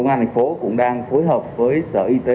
công an thành phố cũng đang phối hợp với sở y tế